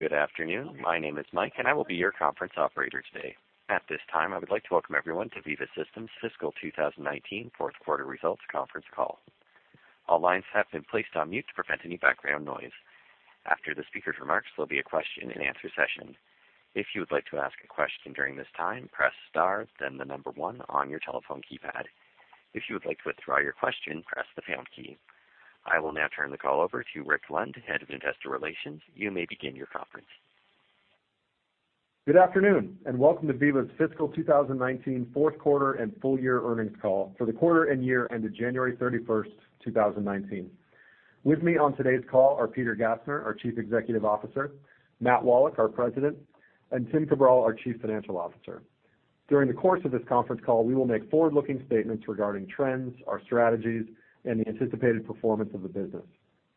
Good afternoon. My name is Mike. I will be your conference operator today. At this time, I would like to welcome everyone to Veeva Systems Fiscal 2019 Fourth Quarter Results Conference Call. All lines have been placed on mute to prevent any background noise. After the speaker's remarks, there'll be a question and answer session. If you would like to ask a question during this time, press star then the number 1 on your telephone keypad. If you would like to withdraw your question, press the pound key. I will now turn the call over to Rick Lund, Head of Investor Relations. You may begin your conference. Good afternoon, and welcome to Veeva's Fiscal 2019 fourth quarter and full year earnings call for the quarter and year ended January 31st, 2019. With me on today's call are Peter Gassner, our Chief Executive Officer, Matt Wallach, our President, and Tim Cabral, our Chief Financial Officer. During the course of this conference call, we will make forward-looking statements regarding trends, our strategies, and the anticipated performance of the business.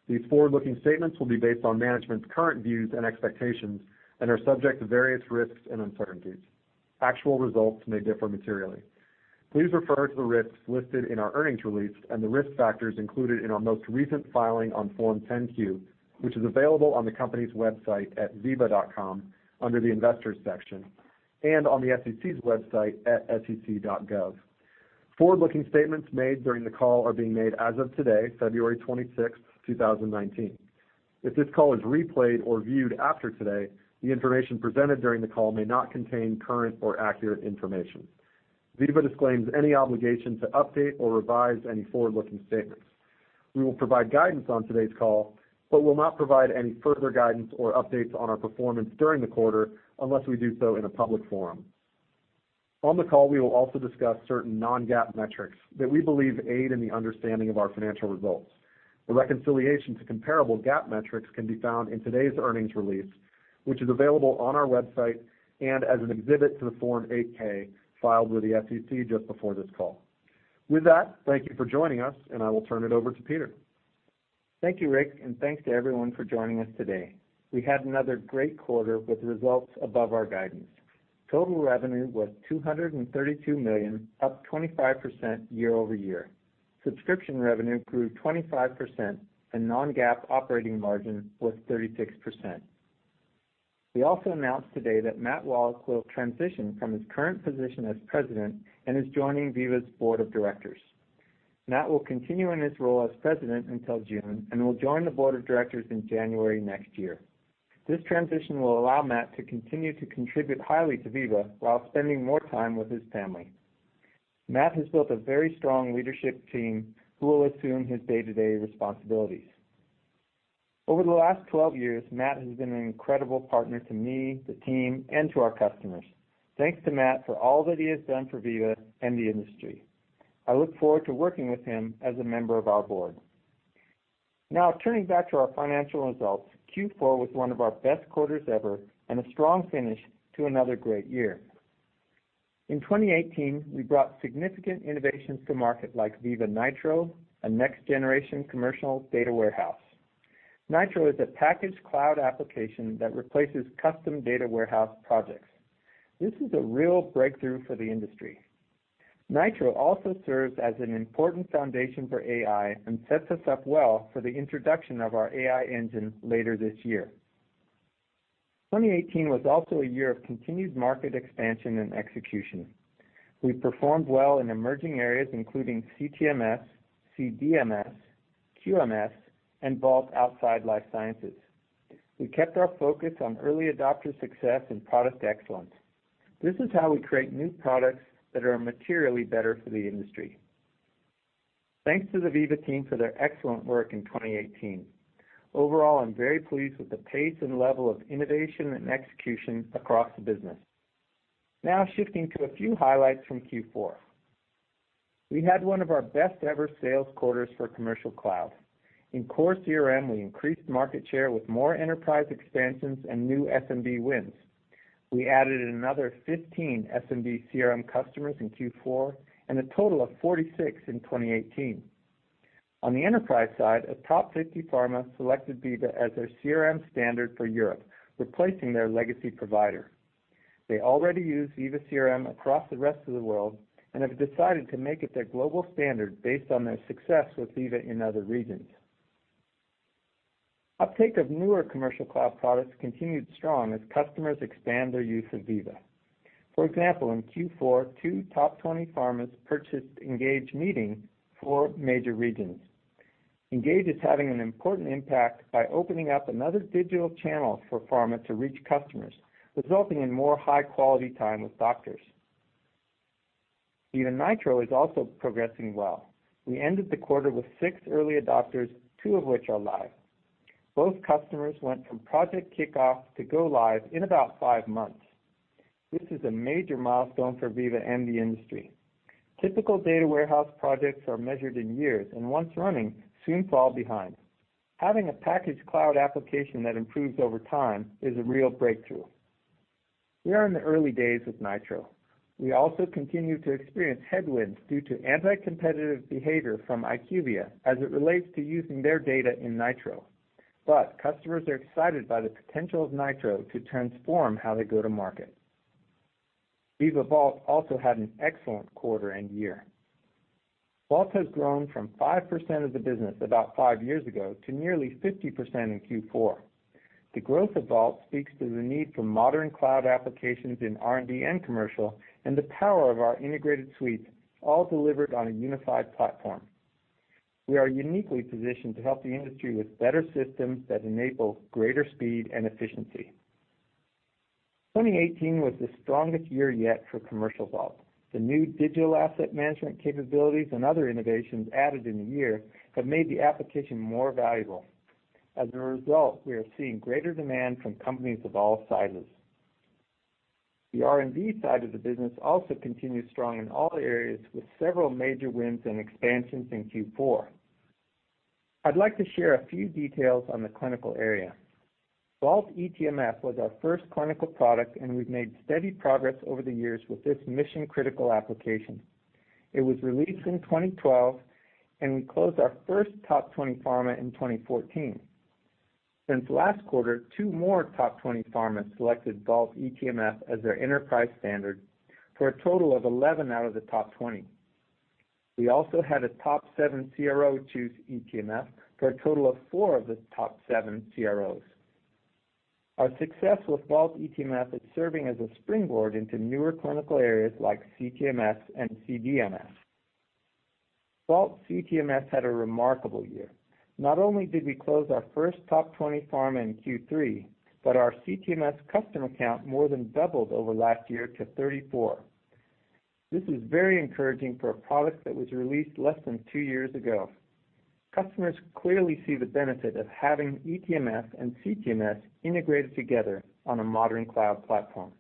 These forward-looking statements will be based on management's current views and expectations and are subject to various risks and uncertainties. Actual results may differ materially. Please refer to the risks listed in our earnings release and the risk factors included in our most recent filing on Form 10-Q, which is available on the company's website at veeva.com under the Investors section and on the SEC's website at sec.gov. Forward-looking statements made during the call are being made as of today, February 26th, 2019. If this call is replayed or viewed after today, the information presented during the call may not contain current or accurate information. Veeva disclaims any obligation to update or revise any forward-looking statements. We will provide guidance on today's call, but will not provide any further guidance or updates on our performance during the quarter unless we do so in a public forum. On the call, we will also discuss certain non-GAAP metrics that we believe aid in the understanding of our financial results. The reconciliation to comparable GAAP metrics can be found in today's earnings release, which is available on our website and as an exhibit to the Form 8-K filed with the SEC just before this call. With that, thank you for joining us, and I will turn it over to Peter. Thank you, Rick, and thanks to everyone for joining us today. We had another great quarter with results above our guidance. Total revenue was $232 million, up 25% year-over-year. Subscription revenue grew 25% and non-GAAP operating margin was 36%. We also announced today that Matt Wallach will transition from his current position as president and is joining Veeva's board of directors. Matt will continue in his role as president until June and will join the board of directors in January next year. This transition will allow Matt to continue to contribute highly to Veeva while spending more time with his family. Matt has built a very strong leadership team who will assume his day-to-day responsibilities. Over the last 12 years, Matt has been an incredible partner to me, the team, and to our customers. Thanks to Matt for all that he has done for Veeva and the industry. Now turning back to our financial results, Q4 was one of our best quarters ever and a strong finish to another great year. In 2018, we brought significant innovations to market like Veeva Nitro, a next-generation commercial data warehouse. Nitro is a packaged cloud application that replaces custom data warehouse projects. This is a real breakthrough for the industry. Nitro also serves as an important foundation for AI and sets us up well for the introduction of our AI engine later this year. 2018 was also a year of continued market expansion and execution. We performed well in emerging areas, including CTMS, CDMS, QMS, and Vault outside life sciences. We kept our focus on early adopter success and product excellence. This is how we create new products that are materially better for the industry. Thanks to the Veeva team for their excellent work in 2018. Overall, I am very pleased with the pace and level of innovation and execution across the business. Shifting to a few highlights from Q4. We had one of our best ever sales quarters for Commercial Cloud. In core CRM, we increased market share with more enterprise expansions and new SMB wins. We added another 15 SMB CRM customers in Q4 and a total of 46 in 2018. On the enterprise side, a top 50 pharma selected Veeva as their CRM standard for Europe, replacing their legacy provider. They already use Veeva CRM across the rest of the world and have decided to make it their global standard based on their success with Veeva in other regions. Uptake of newer Commercial Cloud products continued strong as customers expand their use of Veeva. For example, in Q4, two top 20 pharmas purchased Engage Meeting for major regions. Engage is having an important impact by opening up another digital channel for pharma to reach customers, resulting in more high-quality time with doctors. Veeva Nitro is also progressing well. We ended the quarter with six early adopters, two of which are live. Both customers went from project kickoff to go live in about five months. This is a major milestone for Veeva and the industry. Typical data warehouse projects are measured in years, and once running, soon fall behind. Having a packaged cloud application that improves over time is a real breakthrough. We are in the early days with Nitro. We also continue to experience headwinds due to anti-competitive behavior from IQVIA as it relates to using their data in Nitro. Customers are excited by the potential of Nitro to transform how they go to market. Veeva Vault also had an excellent quarter and year. Vault has grown from 5% of the business about five years ago to nearly 50% in Q4. The growth of Vault speaks to the need for modern cloud applications in R&D and commercial, and the power of our integrated suites, all delivered on a unified platform. We are uniquely positioned to help the industry with better systems that enable greater speed and efficiency. 2018 was the strongest year yet for commercial Vault. The new digital asset management capabilities and other innovations added in the year have made the application more valuable. As a result, we are seeing greater demand from companies of all sizes. The R&D side of the business also continued strong in all areas, with several major wins and expansions in Q4. I'd like to share a few details on the clinical area. Vault eTMF was our first clinical product, and we've made steady progress over the years with this mission-critical application. It was released in 2012, and we closed our first top 20 pharma in 2014. Since last quarter, two more top 20 pharmas selected Vault eTMF as their enterprise standard for a total of 11 out of the top 20. We also had a top seven CRO choose eTMF for a total of four of the top seven CROs. Our success with Vault eTMF is serving as a springboard into newer clinical areas like CTMS and CDMS. Vault CTMS had a remarkable year. Not only did we close our first top 20 pharma in Q3, but our CTMS customer count more than doubled over last year to 34. This is very encouraging for a product that was released less than two years ago. Customers clearly see the benefit of having eTMF and CTMS integrated together on a modern cloud platform.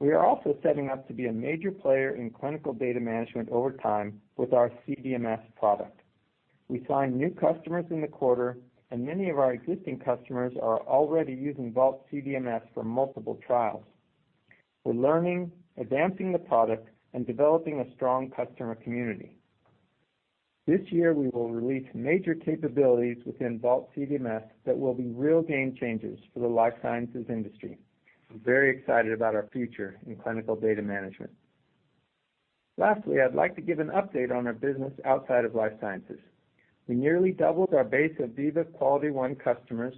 We are also setting up to be a major player in clinical data management over time with our CDMS product. We signed new customers in the quarter, and many of our existing customers are already using Vault CDMS for multiple trials. We're learning, advancing the product, and developing a strong customer community. This year, we will release major capabilities within Vault CDMS that will be real game-changers for the life sciences industry. I'm very excited about our future in clinical data management. Lastly, I'd like to give an update on our business outside of life sciences. We nearly doubled our base of Veeva QualityOne customers,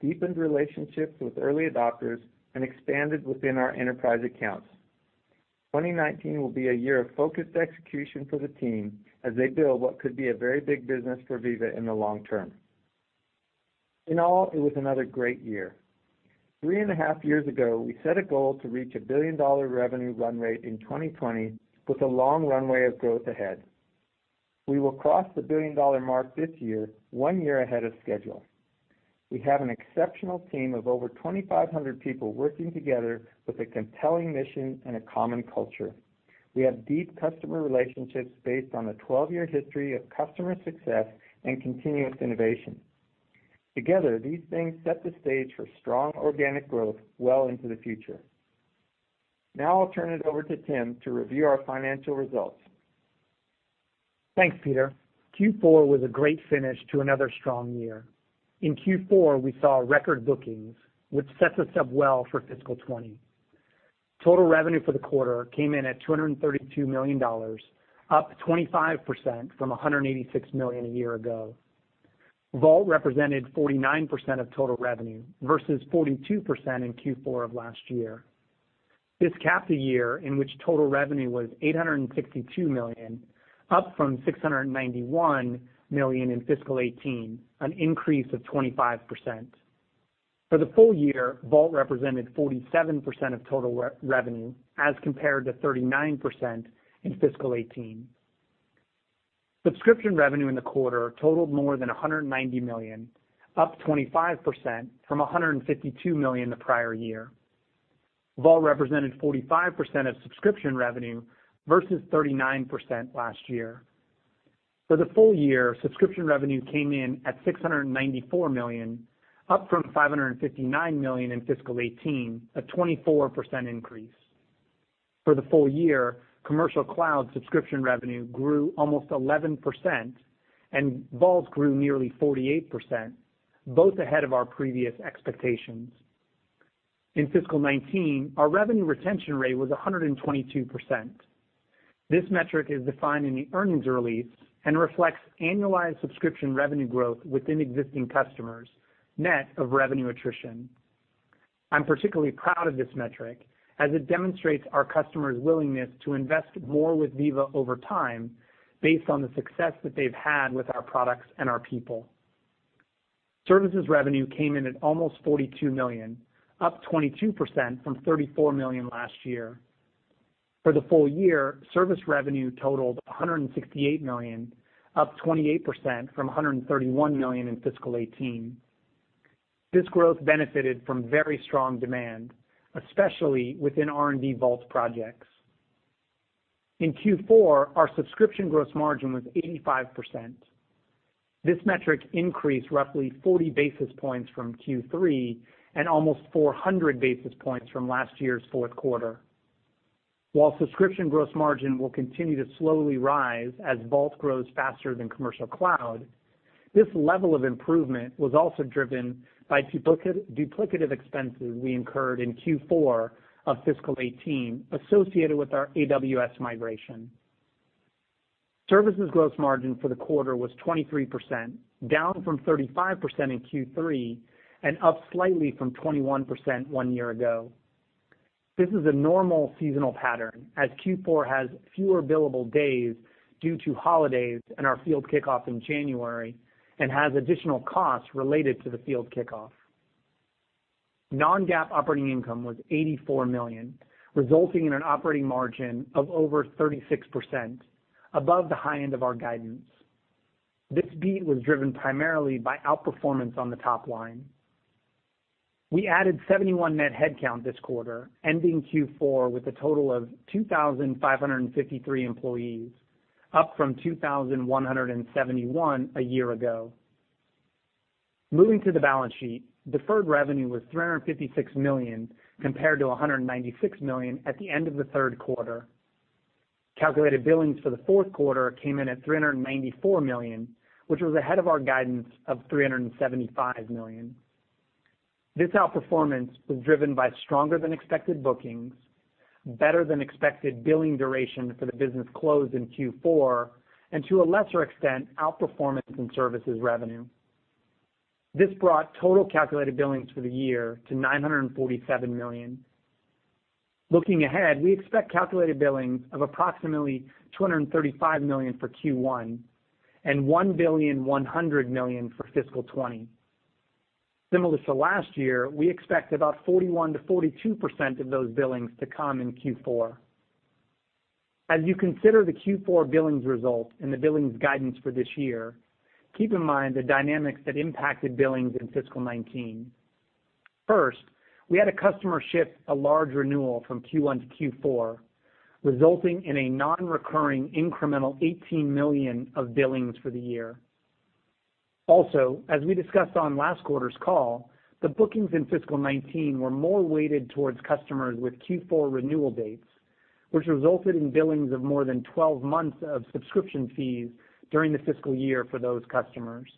deepened relationships with early adopters, and expanded within our enterprise accounts. 2019 will be a year of focused execution for the team as they build what could be a very big business for Veeva in the long term. In all, it was another great year. Three and a half years ago, we set a goal to reach a billion-dollar revenue run rate in 2020 with a long runway of growth ahead. We will cross the billion-dollar mark this year, one year ahead of schedule. We have an exceptional team of over 2,500 people working together with a compelling mission and a common culture. We have deep customer relationships based on a 12-year history of customer success and continuous innovation. Together, these things set the stage for strong organic growth well into the future. Now, I'll turn it over to Tim to review our financial results. Thanks, Peter. Q4 was a great finish to another strong year. In Q4, we saw record bookings, which sets us up well for fiscal 2020. Total revenue for the quarter came in at $232 million, up 25% from $186 million a year ago. Vault represented 49% of total revenue versus 42% in Q4 of last year. This capped a year in which total revenue was $862 million, up from $691 million in fiscal 2018, an increase of 25%. For the full year, Vault represented 47% of total revenue as compared to 39% in fiscal 2018. Subscription revenue in the quarter totaled more than $190 million, up 25% from $152 million the prior year. Vault represented 45% of subscription revenue versus 39% last year. For the full year, subscription revenue came in at $694 million, up from $559 million in fiscal 2018, a 24% increase. For the full year, Veeva Commercial Cloud subscription revenue grew almost 11%, and Vault grew nearly 48%, both ahead of our previous expectations. In fiscal 2019, our revenue retention rate was 122%. This metric is defined in the earnings release and reflects annualized subscription revenue growth within existing customers, net of revenue attrition. I'm particularly proud of this metric, as it demonstrates our customers' willingness to invest more with Veeva over time based on the success that they've had with our products and our people. Services revenue came in at almost $42 million, up 22% from $34 million last year. For the full year, service revenue totaled $168 million, up 28% from $131 million in fiscal 2018. This growth benefited from very strong demand, especially within R&D Vault projects. In Q4, our subscription gross margin was 85%. This metric increased roughly 40 basis points from Q3 and almost 400 basis points from last year's fourth quarter. While subscription gross margin will continue to slowly rise as Vault grows faster than Commercial Cloud, this level of improvement was also driven by duplicative expenses we incurred in Q4 of fiscal 2018 associated with our AWS migration. Services gross margin for the quarter was 23%, down from 35% in Q3 and up slightly from 21% one year ago. This is a normal seasonal pattern as Q4 has fewer billable days due to holidays and our field kickoff in January and has additional costs related to the field kickoff. Non-GAAP operating income was $84 million, resulting in an operating margin of over 36% above the high end of our guidance. This beat was driven primarily by outperformance on the top line. We added 71 net headcount this quarter, ending Q4 with a total of 2,553 employees, up from 2,171 a year ago. Moving to the balance sheet, deferred revenue was $356 million compared to $196 million at the end of the third quarter. Calculated billings for the fourth quarter came in at $394 million, which was ahead of our guidance of $375 million. This outperformance was driven by stronger than expected bookings, better than expected billing duration for the business closed in Q4, and to a lesser extent, outperformance in services revenue. This brought total calculated billings for the year to $947 million. Looking ahead, we expect calculated billings of approximately $235 million for Q1 and $1.1 billion for fiscal 2020. Similar to last year, we expect about 41%-42% of those billings to come in Q4. As you consider the Q4 billings results and the billings guidance for this year, keep in mind the dynamics that impacted billings in fiscal 2019. First, we had a customer shift a large renewal from Q1 to Q4, resulting in a non-recurring incremental $18 million of billings for the year. As we discussed on last quarter's call, the bookings in fiscal 2019 were more weighted towards customers with Q4 renewal dates, which resulted in billings of more than 12 months of subscription fees during the fiscal year for those customers.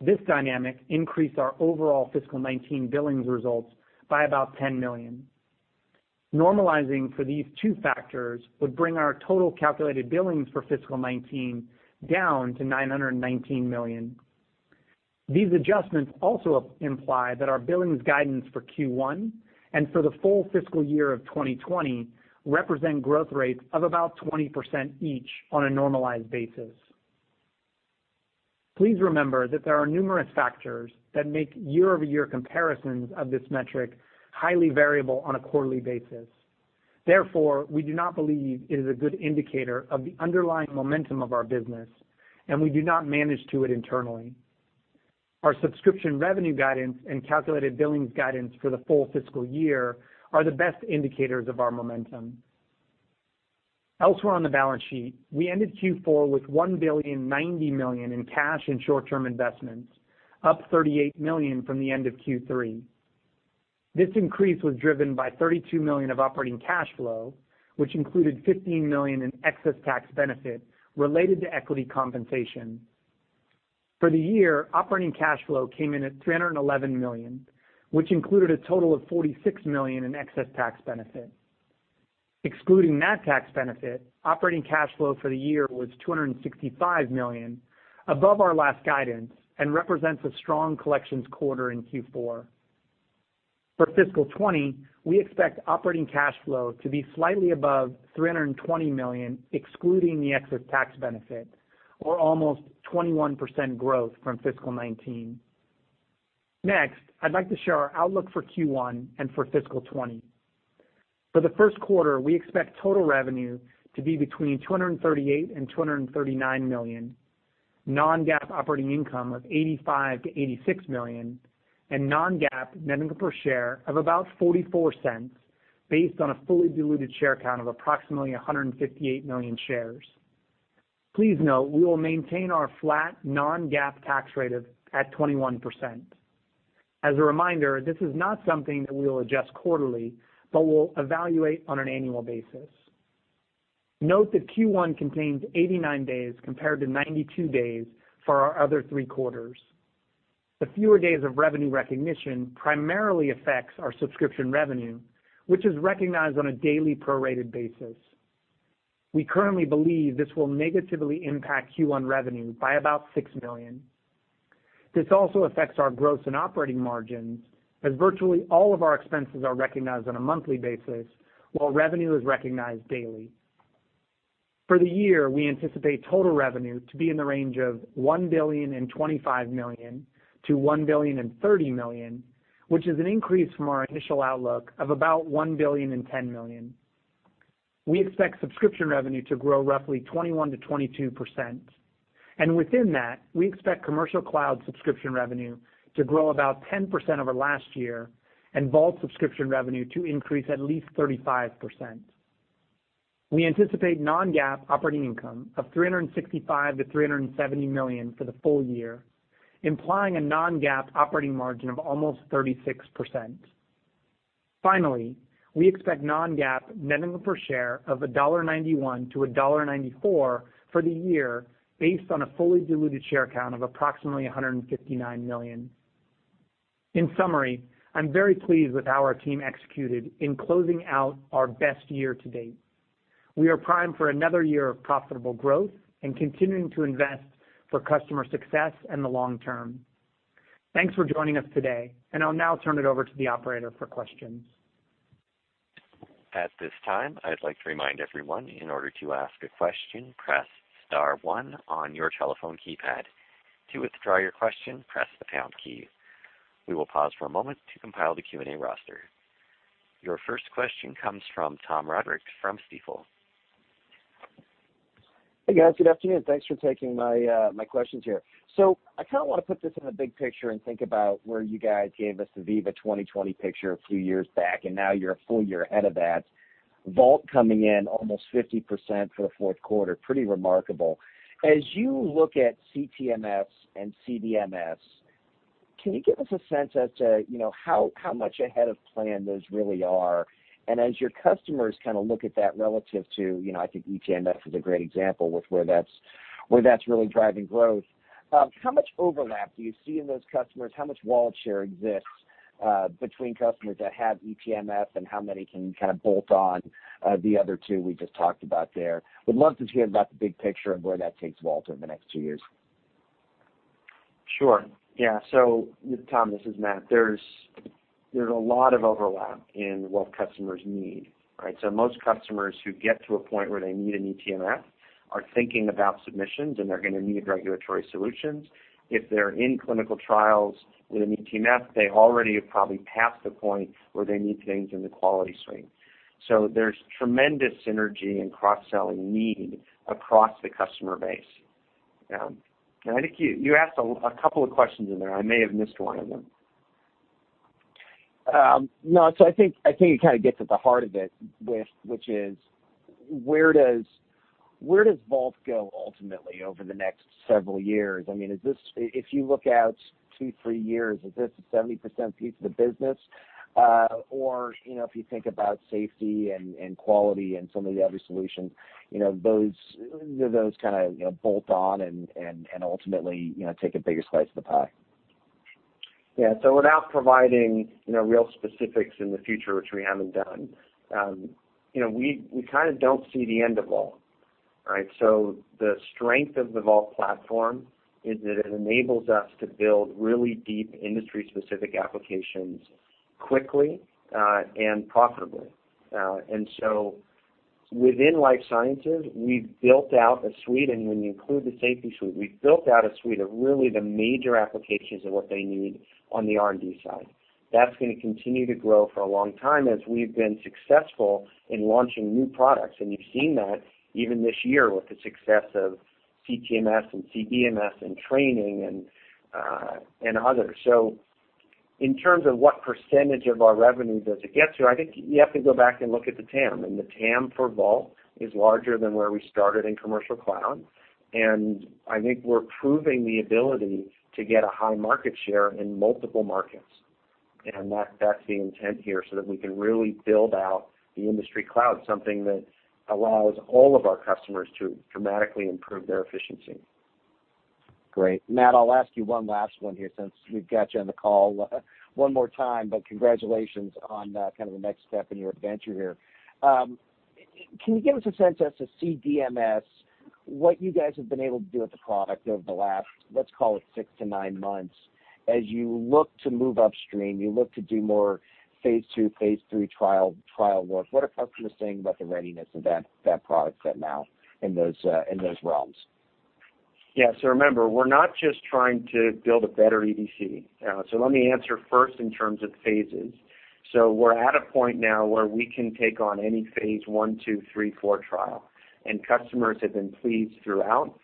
This dynamic increased our overall fiscal 2019 billings results by about $10 million. Normalizing for these two factors would bring our total calculated billings for fiscal 2019 down to $919 million. These adjustments also imply that our billings guidance for Q1 and for the full fiscal year of 2020 represent growth rates of about 20% each on a normalized basis. Please remember that there are numerous factors that make year-over-year comparisons of this metric highly variable on a quarterly basis. Therefore, we do not believe it is a good indicator of the underlying momentum of our business, and we do not manage to it internally. Our subscription revenue guidance and calculated billings guidance for the full fiscal year are the best indicators of our momentum. Elsewhere on the balance sheet, we ended Q4 with $1.09 billion in cash and short-term investments, up $38 million from the end of Q3. This increase was driven by $32 million of operating cash flow, which included $15 million in excess tax benefit related to equity compensation. For the year, operating cash flow came in at $311 million, which included a total of $46 million in excess tax benefit. Excluding that tax benefit, operating cash flow for the year was $265 million above our last guidance and represents a strong collections quarter in Q4. For fiscal 2020, we expect operating cash flow to be slightly above $320 million, excluding the excess tax benefit, or almost 21% growth from fiscal 2019. I'd like to share our outlook for Q1 and for fiscal 2020. For the first quarter, we expect total revenue to be between $238 million and $239 million, non-GAAP operating income of $85 million-$86 million, and non-GAAP net income per share of about $0.44 based on a fully diluted share count of approximately 158 million shares. Please note we will maintain our flat non-GAAP tax rate at 21%. As a reminder, this is not something that we will adjust quarterly, but we'll evaluate on an annual basis. Note that Q1 contains 89 days compared to 92 days for our other three quarters. The fewer days of revenue recognition primarily affects our subscription revenue, which is recognized on a daily prorated basis. We currently believe this will negatively impact Q1 revenue by about $6 million. This also affects our gross and operating margins, as virtually all of our expenses are recognized on a monthly basis while revenue is recognized daily. For the year, we anticipate total revenue to be in the range of $1.025 billion-$1.03 billion, which is an increase from our initial outlook of about $1.01 billion. We expect subscription revenue to grow roughly 21%-22%. Within that, we expect Commercial Cloud subscription revenue to grow about 10% over last year and Vault subscription revenue to increase at least 35%. We anticipate non-GAAP operating income of $365 million-$370 million for the full year, implying a non-GAAP operating margin of almost 36%. Finally, we expect non-GAAP net income per share of $1.91-$1.94 for the year based on a fully diluted share count of approximately 159 million. In summary, I'm very pleased with how our team executed in closing out our best year to date. We are primed for another year of profitable growth and continuing to invest for customer success in the long term. Thanks for joining us today, and I'll now turn it over to the operator for questions. At this time, I'd like to remind everyone, in order to ask a question, press star 1 on your telephone keypad. To withdraw your question, press the pound key. We will pause for a moment to compile the Q&A roster. Your first question comes from Tom Roderick from Stifel. Hey, guys. Good afternoon. Thanks for taking my questions here. I kinda want to put this in a big picture and think about where you guys gave us the Veeva 2020 picture a few years back, and now you're a full year ahead of that. Vault coming in almost 50% for the fourth quarter, pretty remarkable. As you look at CTMS and CDMS, can you give us a sense as to, you know, how much ahead of plan those really are? As your customers kinda look at that relative to, you know, I think eTMF is a great example with where that's really driving growth. How much overlap do you see in those customers? How much wallet share exists between customers that have eTMF and how many can kind of bolt on the other two we just talked about there? Would love to hear about the big picture of where that takes Vault over the next two years. Sure. Yeah. Tom, this is Matt. There's a lot of overlap in what customers need, right? Most customers who get to a point where they need an eTMF are thinking about submissions, and they're gonna need regulatory solutions. If they're in clinical trials with an eTMF, they already have probably passed the point where they need things in the quality suite. And I think you asked a couple of questions in there. I may have missed one of them. No. I think it kinda gets at the heart of it which is where does Vault go ultimately over the next several years? I mean, If you look out two, three years, is this a 70% piece of the business? Or, you know, if you think about safety and quality and some of the other solutions, you know, those, do those kinda, you know, bolt on and ultimately, you know, take a bigger slice of the pie. Yeah. Without providing, you know, real specifics in the future, which we haven't done, you know, we kinda don't see the end of Vault, right? The strength of the Vault Platform is that it enables us to build really deep industry-specific applications quickly and profitably. Within life sciences, we've built out a suite, and when you include the safety suite, we've built out a suite of really the major applications of what they need on the R&D side. That's gonna continue to grow for a long time as we've been successful in launching new products. You've seen that even this year with the success of CTMS and CDMS and training and others. In terms of what percentage of our revenue does it get to, I think you have to go back and look at the TAM. The TAM for Vault is larger than where we started in Commercial Cloud. I think we're proving the ability to get a high market share in multiple markets. That's the intent here, so that we can really build out the industry cloud, something that allows all of our customers to dramatically improve their efficiency. Great. Matt, I'll ask you one last one here since we've got you on the call one more time, but congratulations on kind of the next step in your adventure here. Can you give us a sense as to CDMS, what you guys have been able to do with the product over the last, let's call it six to nine months as you look to move upstream, you look to do more phase II, phase III trial work? What are customers saying about the readiness of that product set now in those in those realms? Yeah. Remember, we're not just trying to build a better EDC. Let me answer first in terms of phases. We're at a point now where we can take on any phase I, II, III, IV trial, and customers have been pleased throughout.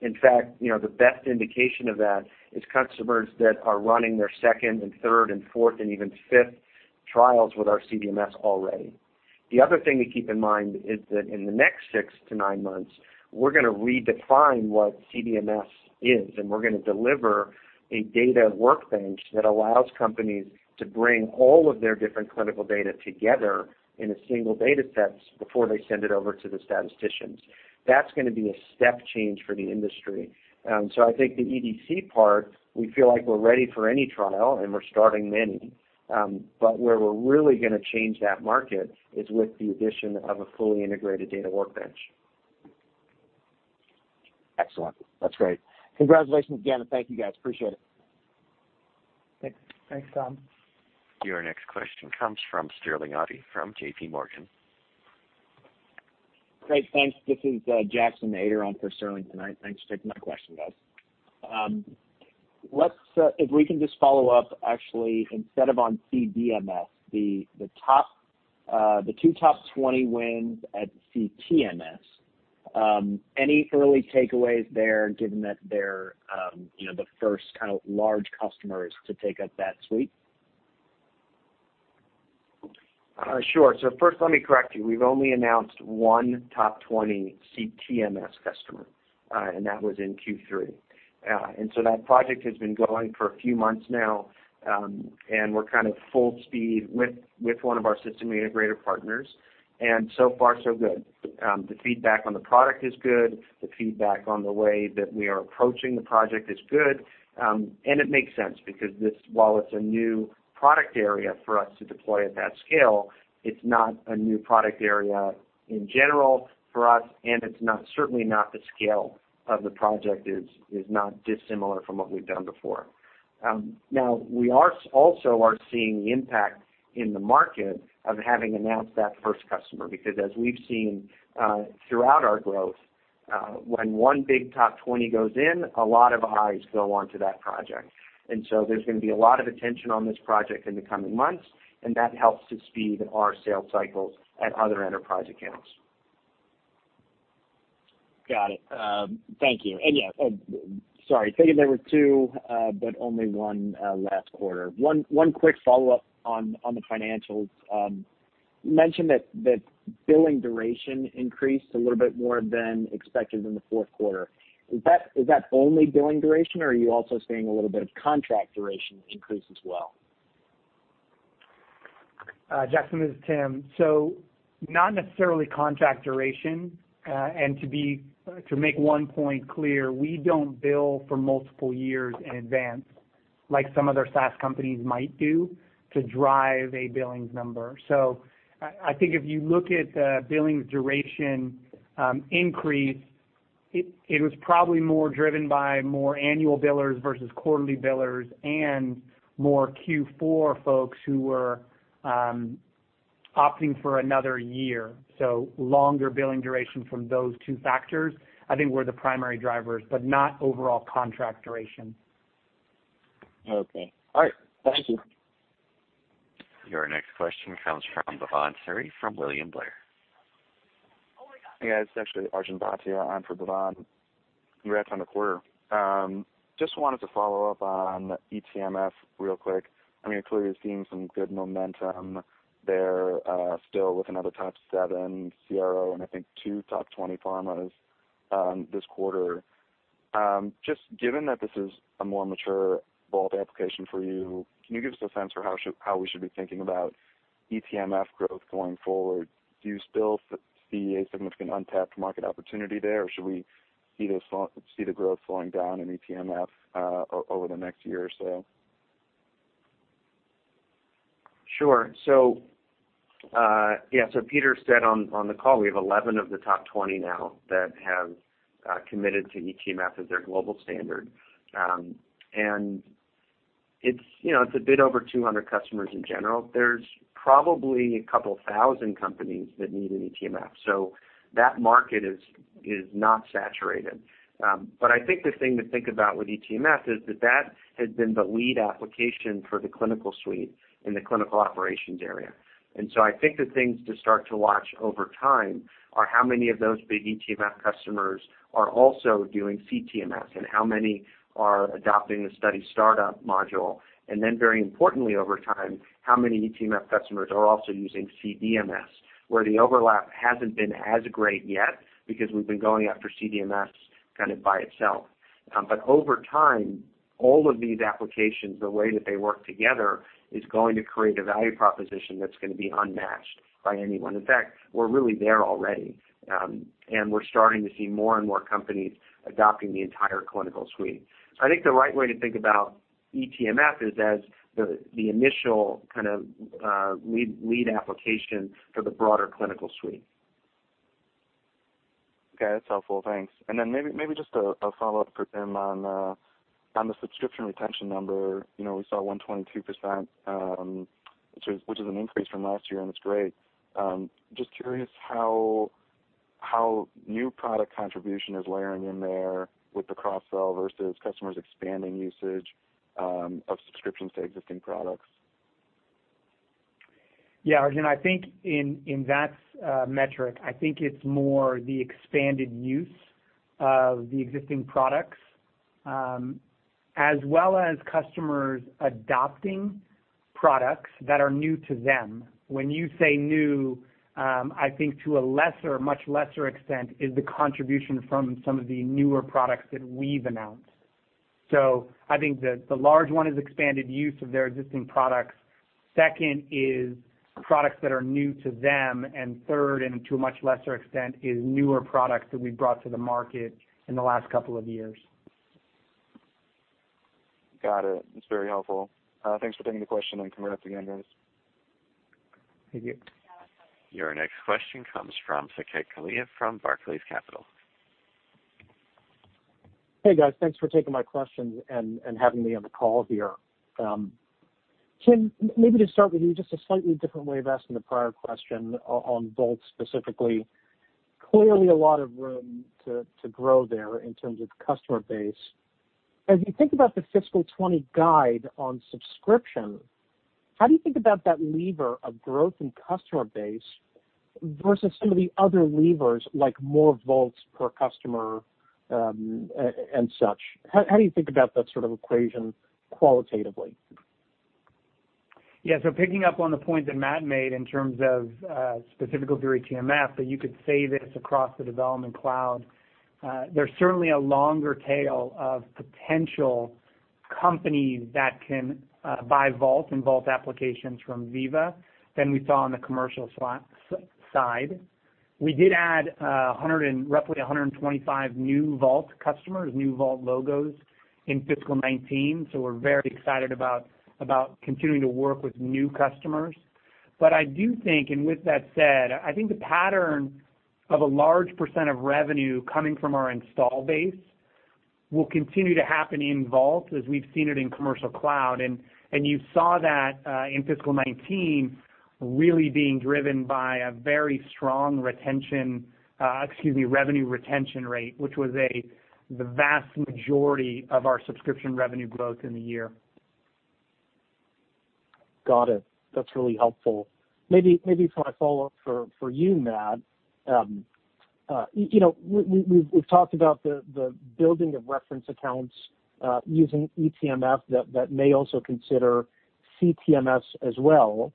In fact, you know, the best indication of that is customers that are running their second and third and fourth and even fifth trials with our CDMS already. The other thing to keep in mind is that in the next 6-9 months, we're gonna redefine what CDMS is, and we're gonna deliver a Veeva CDB that allows companies to bring all of their different clinical data together in a single datasets before they send it over to the statisticians. That's gonna be a step change for the industry. I think the EDC part, we feel like we're ready for any trial, and we're starting many. Where we're really gonna change that market is with the addition of a fully integrated data workbench. Excellent. That's great. Congratulations again. Thank you, guys. Appreciate it. Thanks. Thanks, Tom. Your next question comes from Sterling Auty from JPMorgan. Great. Thanks. This is Jackson Ader on for Sterling tonight. Thanks for taking my question, guys. If we can just follow up actually, instead of on CDMS, the top, the two top 20 wins at CTMS, any early takeaways there given that they're, you know, the first kind of large customers to take up that suite? Sure. First, let me correct you. We've only announced one top 20 CTMS customer, and that was in Q3. That project has been going for a few months now, we're kind of full speed with one of our system integrator partners, and so far so good. The feedback on the product is good. The feedback on the way that we are approaching the project is good. It makes sense because this while it's a new product area for us to deploy at that scale, it's not a new product area in general for us, and it's not, certainly not the scale of the project is not dissimilar from what we've done before. Now we also are seeing the impact in the market of having announced that first customer because as we've seen, throughout our growth, when one big top 20 goes in, a lot of eyes go onto that project. There's gonna be a lot of attention on this project in the coming months, and that helps to speed our sales cycles at other enterprise accounts. Got it. Thank you. Yeah, sorry. Thinking there were two, only one last quarter. One quick follow-up on the financials. You mentioned that billing duration increased a little bit more than expected in the fourth quarter. Is that only billing duration or are you also seeing a little bit of contract duration increase as well? Jackson, this is Tim. Not necessarily contract duration. To make one point clear, we don't bill for multiple years in advance, like some other SaaS companies might do to drive a billings number. I think if you look at the billings duration increase, it was probably more driven by more annual billers versus quarterly billers and more Q4 folks who were opting for another year. Longer billing duration from those two factors, I think were the primary drivers, but not overall contract duration. Okay. All right. Thank you. Your next question comes from Bhavan Suri from William Blair. Hey, guys. It's actually Arjun Bhatia on for Bhavan. Congrats on the quarter. Just wanted to follow up on eTMF real quick. I mean, clearly seeing some good momentum there, still with another top seven CRO and I think two top 20 pharmas this quarter. Just given that this is a more mature Vault application for you, can you give us a sense for how we should be thinking about eTMF growth going forward? Do you still see a significant untapped market opportunity there, or should we see the growth slowing down in eTMF over the next year or so? Sure. Peter said on the call, we have 11 of the top 20 now that have committed to eTMF as their global standard. It's, you know, a bit over 200 customers in general. There's probably 2,000 companies that need an eTMF, so that market is not saturated. I think the thing to think about with eTMF is that that has been the lead application for the clinical suite in the clinical operations area. I think the things to start to watch over time are how many of those big eTMF customers are also doing CTMS and how many are adopting the Study Startup module. Very importantly over time, how many eTMF customers are also using CDMS, where the overlap hasn't been as great yet because we've been going after CDMS kind of by itself. Over time, all of these applications, the way that they work together is going to create a value proposition that's gonna be unmatched by anyone. In fact, we're really there already. We're starting to see more and more companies adopting the entire clinical suite. I think the right way to think about eTMF is as the initial kind of lead application for the broader clinical suite. Okay. That's helpful. Thanks. Then maybe just a follow-up for Tim on the subscription retention number. You know, we saw 122%, which is an increase from last year, and it's great. Just curious how new product contribution is layering in there with the cross-sell versus customers expanding usage of subscriptions to existing products. Yeah, Arjun, I think in that metric, I think it's more the expanded use of the existing products, as well as customers adopting products that are new to them. When you say new, I think to a lesser, much lesser extent is the contribution from some of the newer products that we've announced. I think the large one is expanded use of their existing products. Second is products that are new to them. Third, and to a much lesser extent, is newer products that we've brought to the market in the last couple of years. Got it. That's very helpful. Thanks for taking the question and congrats again, guys. Thank you. Your next question comes from Saket Kalia from Barclays Capital. Hey, guys. Thanks for taking my questions and having me on the call here. Tim, maybe to start with you, just a slightly different way of asking the prior question on Vault specifically. Clearly a lot of room to grow there in terms of customer base. As you think about the fiscal 20 guide on subscription, how do you think about that lever of growth in customer base versus some of the other levers, like more Vaults per customer, and such. How do you think about that sort of equation qualitatively? Picking up on the point that Matt made in terms of specifically through eTMF, but you could say this across the development cloud, there's certainly a longer tail of potential companies that can buy Vault and Vault applications from Veeva than we saw on the commercial side. We did add 125 new Vault customers, new Vault logos in fiscal 2019, we're very excited about continuing to work with new customers. I do think, and with that said, I think the pattern of a large % of revenue coming from our install base will continue to happen in Vault as we've seen it in Commercial Cloud. You saw that in fiscal 2019 really being driven by a very strong retention, excuse me, revenue retention rate, which was the vast majority of our subscription revenue growth in the year. Got it. That's really helpful. Maybe for my follow-up for you, Matt. You know, we've talked about the building of reference accounts using eTMF that may also consider CTMS as well.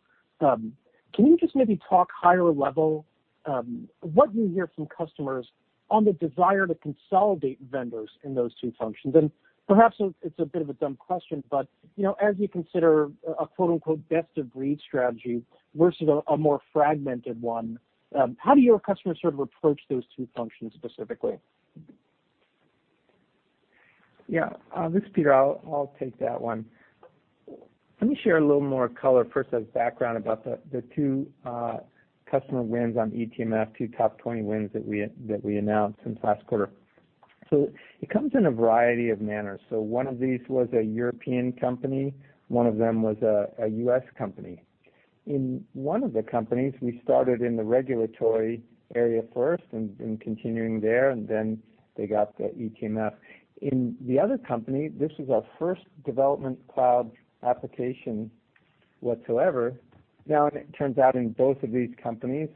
Can you just maybe talk higher level what you hear from customers on the desire to consolidate vendors in those two functions? Perhaps it's a bit of a dumb question, but, you know, as you consider a quote-unquote, "best of breed" strategy versus a more fragmented one, how do your customers sort of approach those two functions specifically? Yeah. This is Peter. I'll take that one. Let me share a little more color first as background about the two customer wins on eTMF, two top 20 wins that we announced since last quarter. It comes in a variety of manners. One of these was a European company, one of them was a U.S. company. In one of the companies, we started in the regulatory area first and continuing there, and then they got the eTMF. In the other company, this was our first Development Cloud application whatsoever. Now, it turns out in both of these companies,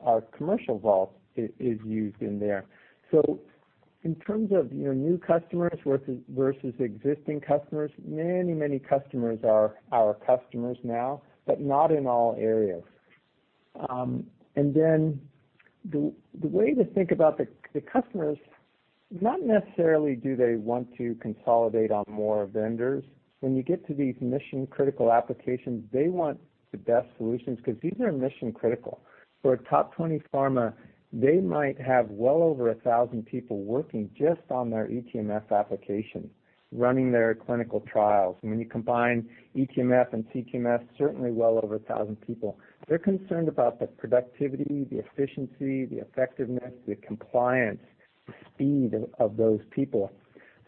our commercial Vault is used in there. In terms of, you know, new customers versus existing customers, many customers are our customers now, but not in all areas. The way to think about the customers, not necessarily do they want to consolidate on more vendors. When you get to these mission-critical applications, they want the best solutions because these are mission-critical. For a top 20 pharma, they might have well over 1,000 people working just on their eTMF application, running their clinical trials. When you combine eTMF and CTMS, certainly well over 1,000 people. They're concerned about the productivity, the efficiency, the effectiveness, the compliance, the speed of those people.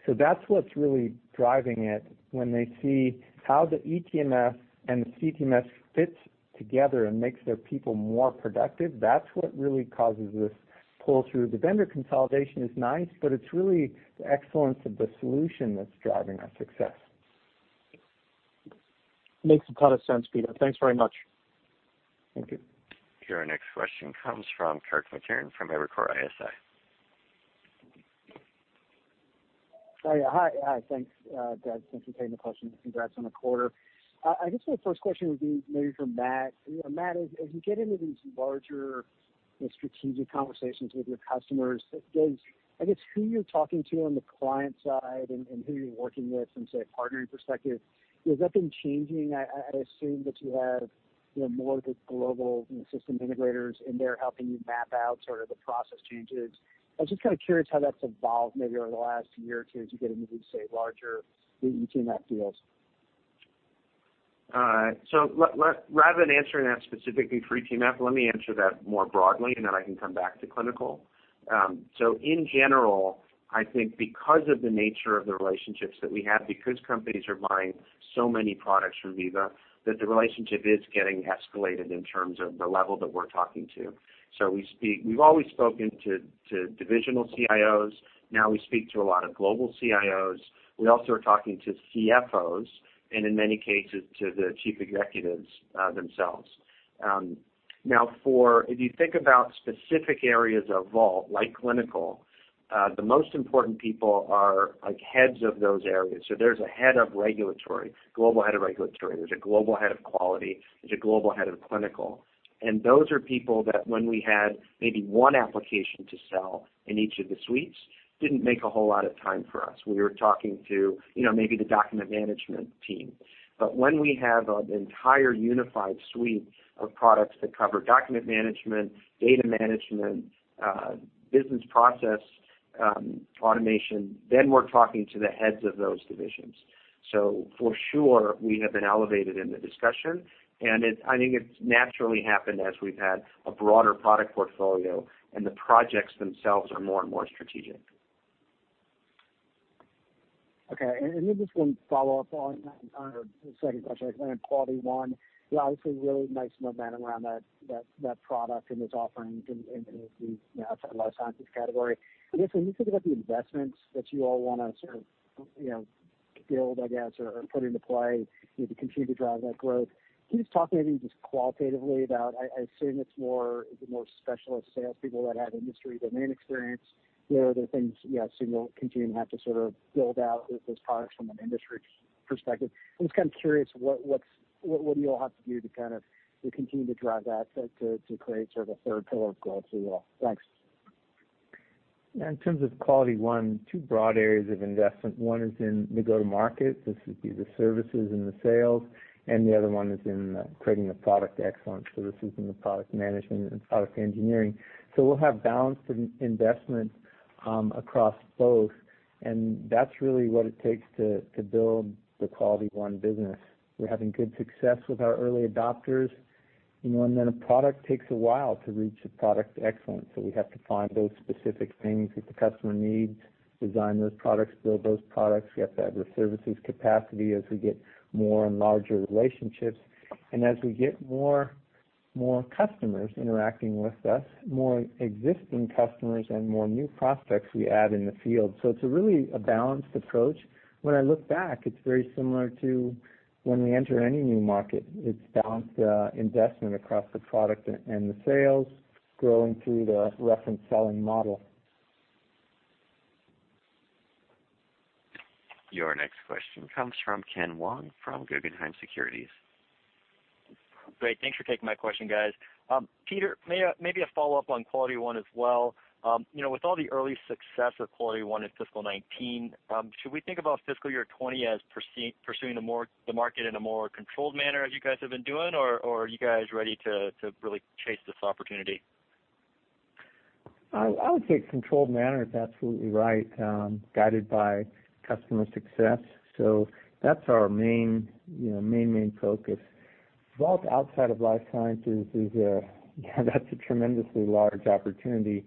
That's what's really driving it. When they see how the eTMF and the CTMS fits together and makes their people more productive, that's what really causes this pull-through. The vendor consolidation is nice, but it's really the excellence of the solution that's driving our success. Makes a ton of sense, Peter. Thanks very much. Thank you. Your next question comes from Kirk Materne from Evercore ISI. Hi. Thanks, guys. Thanks for taking the question, and congrats on the quarter. I guess my first question would be maybe for Matt. You know, Matt, as you get into these larger, you know, strategic conversations with your customers, does, I guess, who you're talking to on the client side and who you're working with from, say, a partnering perspective, has that been changing? I assume that you have, you know, more of the global, you know, system integrators in there helping you map out sort of the process changes. I'm just kind of curious how that's evolved maybe over the last year or two as you get into these, say, larger eTMF deals. All right. Rather than answering that specifically for eTMF, let me answer that more broadly, and then I can come back to clinical. In general, I think because of the nature of the relationships that we have, because companies are buying so many products from Veeva, that the relationship is getting escalated in terms of the level that we're talking to. We've always spoken to divisional CIOs. Now we speak to a lot of global CIOs. We also are talking to CFOs and in many cases, to the chief executives themselves. If you think about specific areas of Vault, like clinical, the most important people are like heads of those areas. There's a head of regulatory, global head of regulatory. There's a global head of quality. There's a global head of clinical. Those are people that when we had maybe one application to sell in each of the suites, didn't make a whole lot of time for us. We were talking to, you know, maybe the document management team. When we have an entire unified suite of products that cover document management, data management, business process, automation, then we're talking to the heads of those divisions. For sure, we have been elevated in the discussion, and I think it's naturally happened as we've had a broader product portfolio and the projects themselves are more and more strategic. Okay. Maybe just one follow-up on that, on a second question on QualityOne. You know, obviously really nice momentum around that product and this offering in the, you know, life sciences category. I guess, when you think about the investments that you all wanna sort of, you know, build, I guess, or put into play to continue to drive that growth. Can you just talk maybe just qualitatively about? I assume it's more, the more specialist salespeople that have industry domain experience. You know, are there things, you assume you'll continue to have to sort of build out with those products from an industry perspective? I'm just kind of curious what do you all have to do to kind of continue to drive that to create sort of a third pillar of growth for you all? Thanks. In terms of QualityOne, two broad areas of investment. One is in the go-to-market. This would be the services and the sales, the other one is in creating the product excellence. This is in the product management and product engineering. We'll have balanced in-investment across both, and that's really what it takes to build the QualityOne business. We're having good success with our early adopters, you know, a product takes a while to reach a product excellence. We have to find those specific things that the customer needs, design those products, build those products, we have to have the services capacity as we get more and larger relationships. As we get more customers interacting with us, more existing customers and more new prospects we add in the field. It's a really a balanced approach. When I look back, it's very similar to when we enter any new market. It's balanced, investment across the product and the sales growing through the reference selling model. Your next question comes from Ken Wong from Guggenheim Securities. Great. Thanks for taking my question, guys. Peter, maybe a follow-up on QualityOne as well. You know, with all the early success of QualityOne in fiscal 2019, should we think about fiscal year 2020 as pursuing the market in a more controlled manner as you guys have been doing, or are you guys ready to really chase this opportunity? I would say controlled manner is absolutely right, guided by customer success. That's our main, you know, main focus. Vault outside of life sciences, that's a tremendously large opportunity.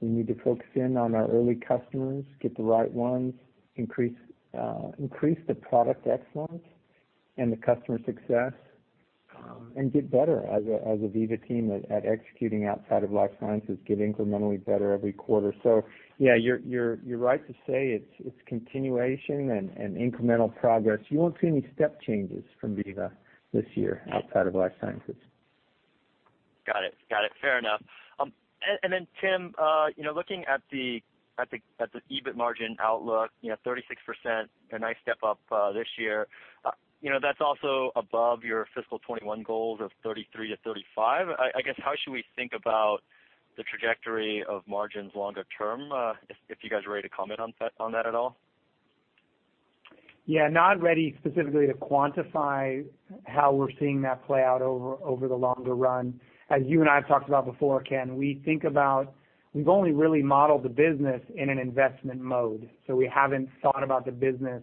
We need to focus in on our early customers, get the right ones, increase the product excellence and the customer success, and get better as a Veeva team at executing outside of life sciences, get incrementally better every quarter. Yeah, you're right to say it's continuation and incremental progress. You won't see any step changes from Veeva this year outside of life sciences. Got it. Got it. Fair enough. Then Tim, you know, looking at the EBIT margin outlook, you know, 36%, a nice step up this year. You know, that's also above your fiscal 2021 goals of 33%-35%. I guess, how should we think about the trajectory of margins longer term, if you guys are ready to comment on that at all? Yeah, not ready specifically to quantify how we're seeing that play out over the longer run. As you and I have talked about before Ken, we've only really modeled the business in an investment mode. We haven't thought about the business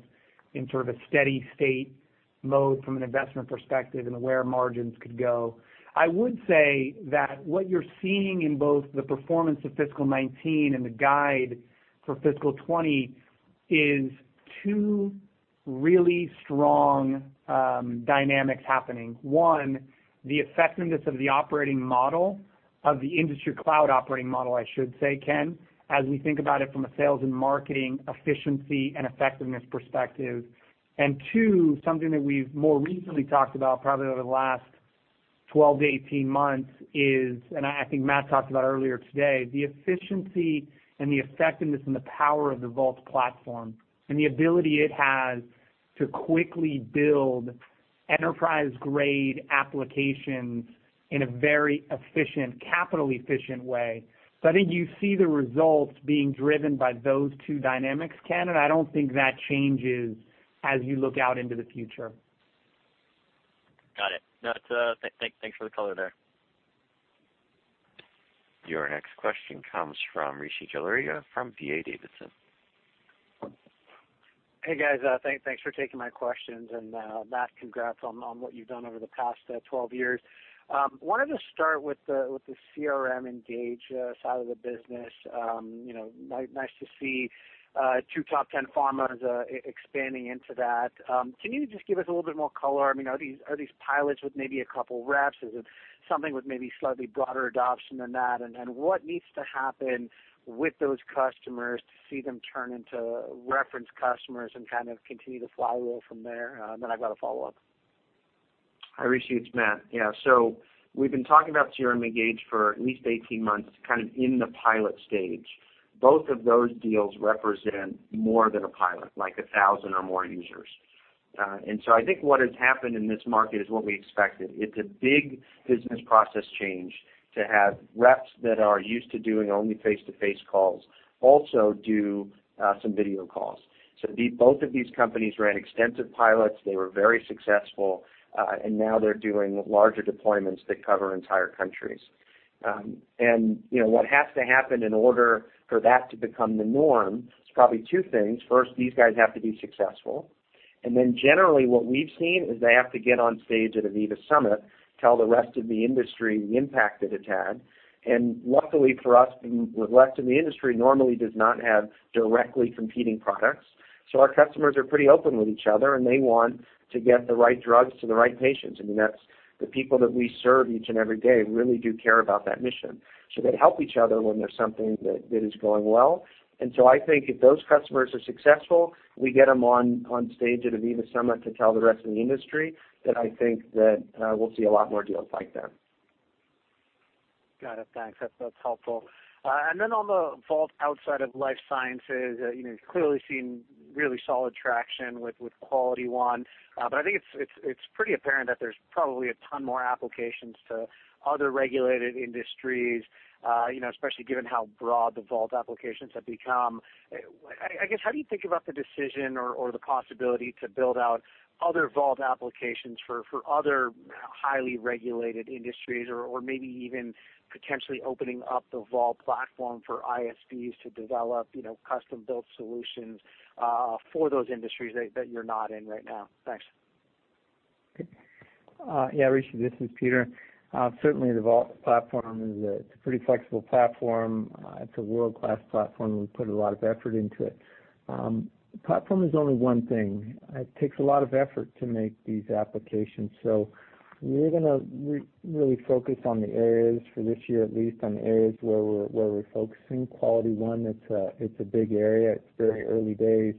in sort of a steady state mode from an investment perspective and where margins could go. I would say that what you're seeing in both the performance of fiscal 2019 and the guide for fiscal 2020 is two really strong dynamics happening. One, the effectiveness of the operating model, of the industry cloud operating model, I should say Ken, as we think about it from a sales and marketing efficiency and effectiveness perspective. Two, something that we've more recently talked about probably over the last 12 to 18 months is, and I think Matt talked about earlier today, the efficiency and the effectiveness and the power of the Vault platform and the ability it has to quickly build enterprise-grade applications in a very efficient, capital efficient way. I think you see the results being driven by those two dynamics, Ken, and I don't think that changes as you look out into the future. Got it. No, it's, thanks for the color there. Your next question comes from Rishi Jaluria from D.A. Davidson. Hey, guys, thanks for taking my questions. Matt, congrats on what you've done over the past 12 years. Wanted to start with the CRM Engage side of the business. You know, nice to see two top 10 pharmas expanding into that. Can you just give us a little bit more color? I mean, are these pilots with maybe a couple reps? Is it something with maybe slightly broader adoption than that? What needs to happen with those customers to see them turn into reference customers and kind of continue the flywheel from there? Then I've got a follow-up. Hi, Rishi. It's Matt. Yeah. We've been talking about CRM Engage for at least 18 months, kind of in the pilot stage. Both of those deals represent more than a pilot, like 1,000 or more users. I think what has happened in this market is what we expected. It's a big business process change to have reps that are used to doing only face-to-face calls also do some video calls. Both of these companies ran extensive pilots. They were very successful, and now they're doing larger deployments that cover entire countries. You know, what has to happen in order for that to become the norm, it's probably two things. First, these guys have to be successful. Generally, what we've seen is they have to get on stage at a Veeva Summit, tell the rest of the industry the impact that it's had. Luckily for us, the rest of the industry normally does not have directly competing products. Our customers are pretty open with each other, and they want to get the right drugs to the right patients. I mean, that's the people that we serve each and every day really do care about that mission. They help each other when there's something that is going well. I think if those customers are successful, we get them on stage at a Veeva Summit to tell the rest of the industry that I think that we'll see a lot more deals like that. Got it. Thanks. That's helpful. Then on the Vault outside of life sciences, you know, clearly seeing really solid traction with QualityOne. I think it's pretty apparent that there's probably a ton more applications to other regulated industries, you know, especially given how broad the Vault applications have become. I guess, how do you think about the decision or the possibility to build out other Vault applications for other highly regulated industries? Maybe even potentially opening up the Vault platform for ISVs to develop, you know, custom-built solutions for those industries that you're not in right now? Thanks. Okay. Yeah, Rishi, this is Peter. Certainly the Vault platform is a pretty flexible platform. It's a world-class platform. We put a lot of effort into it. The platform is only one thing. It takes a lot of effort to make these applications. So we're gonna really focus on the areas for this year, at least on the areas where we're focusing. QualityOne, it's a big area. It's very early days.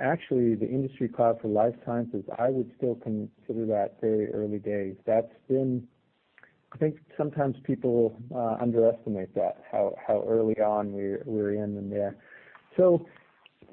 Actually, the industry cloud for life sciences, I would still consider that very early days. That's been I think sometimes people underestimate that, how early on we're in there. So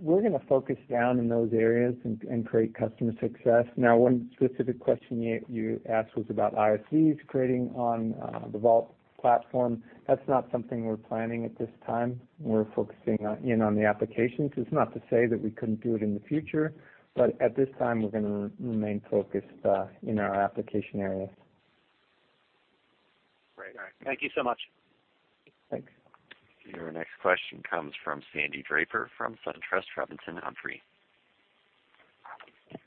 we're gonna focus down in those areas and create customer success. Now, one specific question you asked was about ISVs creating on the Vault platform. That's not something we're planning at this time. We're focusing on, you know, on the applications. It's not to say that we couldn't do it in the future, but at this time, we're gonna remain focused in our application areas. Great. Thank you so much. Thanks. Your next question comes from Sandy Draper from SunTrust Robinson Humphrey.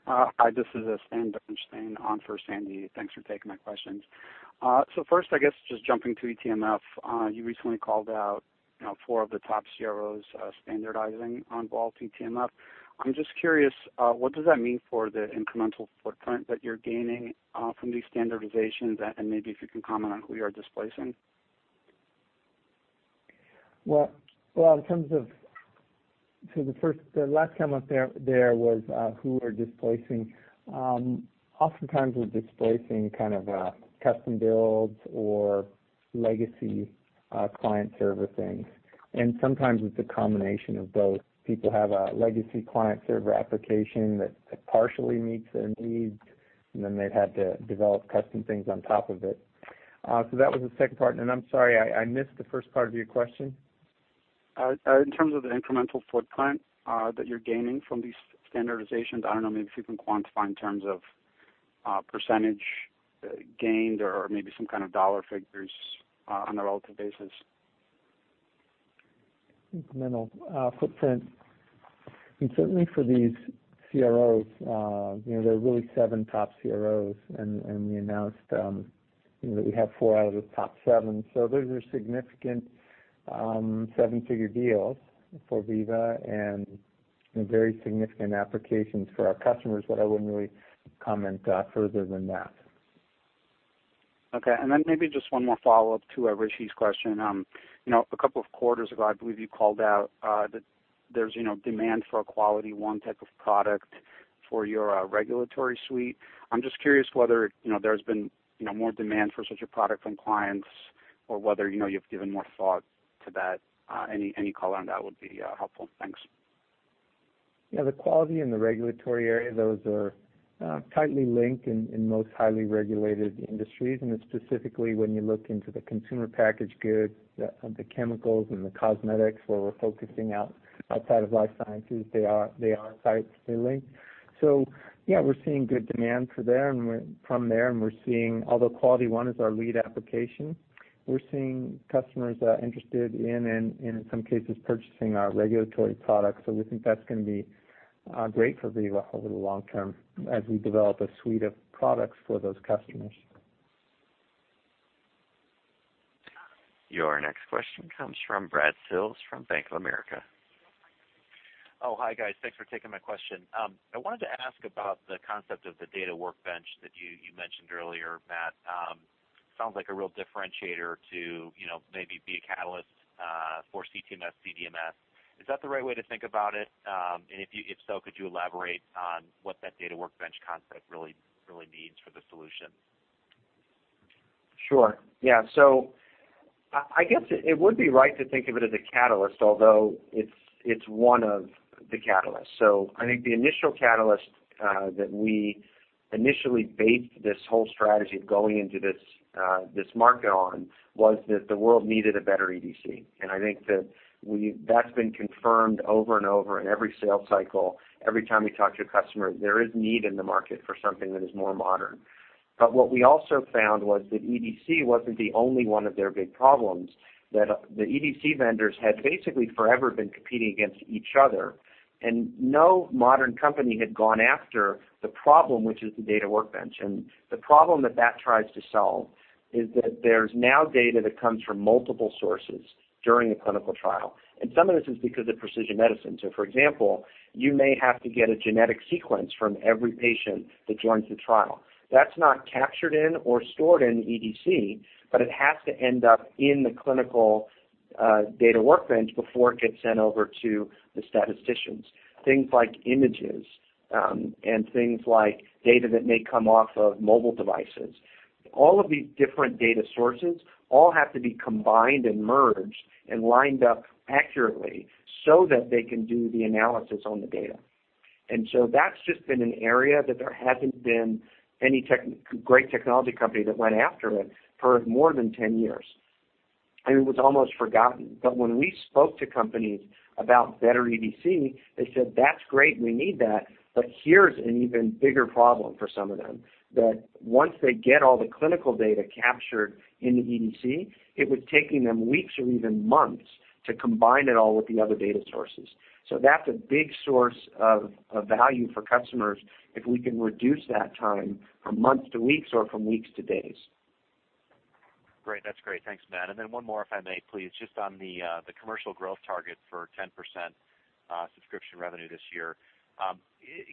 Hi, this is Stan Stein] on for Sandy. Thanks for taking my questions. First, I guess just jumping to eTMF, you recently called out, you know, four of the top CROs standardizing on Vault eTMF. I'm just curious, what does that mean for the incremental footprint that you're gaining from these standardizations? Maybe if you can comment on who you are displacing. Well, in terms of the last comment there was who we're displacing. Oftentimes, we're displacing kind of custom builds or legacy client-server things. Sometimes it's a combination of both. People have a legacy client-server application that partially meets their needs, and then they've had to develop custom things on top of it. That was the second part. I'm sorry, I missed the first part of your question. In terms of the incremental footprint, that you're gaining from these standardizations, I don't know maybe if you can quantify in terms of % gained or maybe some kind of dollar figures on a relative basis. Incremental footprint. Certainly for these CROs, you know, there are really seven top CROs and we announced, you know, that we have four out of the top seven. Those are significant seven-figure deals for Veeva and, you know, very significant applications for our customers. I wouldn't really comment further than that. Okay. Then maybe just one more follow-up to Rishi's question. You know, a couple of quarters ago, I believe you called out that there's, you know, demand for a QualityOne type of product for your regulatory suite. I'm just curious whether, you know, there's been, you know, more demand for such a product from clients or whether, you know, you've given more thought to that. Any, any color on that would be helpful. Thanks. Yeah, the quality and the regulatory area, those are tightly linked in most highly regulated industries. It's specifically when you look into the consumer packaged goods, the chemicals and the cosmetics where we're focusing outside of life sciences, they are tightly linked. Yeah, we're seeing good demand for there and from there, and we're seeing Although QualityOne is our lead application, we're seeing customers interested in and in some cases purchasing our regulatory products. We think that's gonna be great for Veeva over the long term as we develop a suite of products for those customers. Your next question comes from Brad Sills from Bank of America. Oh, hi, guys. Thanks for taking my question. I wanted to ask about the concept of the Veeva CDB that you mentioned earlier, Matt. Sounds like a real differentiator to, you know, maybe be a catalyst for CTMS, CDMS. Is that the right way to think about it? If so, could you elaborate on what that Veeva CDB concept really means for the solution? Sure. Yeah. I guess it would be right to think of it as a catalyst, although it's one of the catalysts. I think the initial catalyst that we initially based this whole strategy of going into this market on was that the world needed a better EDC. I think that's been confirmed over and over in every sales cycle. Every time we talk to a customer, there is need in the market for something that is more modern. What we also found was that EDC wasn't the only one of their big problems, that the EDC vendors had basically forever been competing against each other, and no modern company had gone after the problem, which is the Veeva CDB. The problem that that tries to solve is that there's now data that comes from multiple sources during a clinical trial. Some of this is because of precision medicine. For example, you may have to get a genetic sequence from every patient that joins the trial. That's not captured in or stored in EDC, but it has to end up in the clinical Veeva CDB before it gets sent over to the statisticians. Things like images, and things like data that may come off of mobile devices. All of these different data sources all have to be combined and merged and lined up accurately so that they can do the analysis on the data. That's just been an area that there hasn't been any great technology company that went after it for more than 10 years, and it was almost forgotten. When we spoke to companies about better EDC, they said, "That's great, we need that," but here's an even bigger problem for some of them, that once they get all the clinical data captured in the EDC, it was taking them weeks or even months to combine it all with the other data sources. That's a big source of value for customers if we can reduce that time from months to weeks or from weeks to days. Great. That's great. Thanks, Matt. One more, if I may please. Just on the commercial growth target for 10% subscription revenue this year.